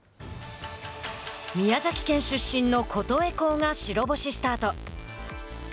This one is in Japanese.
宮崎県出身の琴恵光が白星スタート。